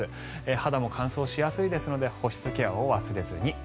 肌も乾燥しやすいので保湿ケアを忘れずに。